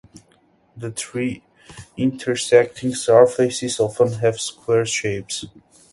The three intersecting surfaces often have square shapes.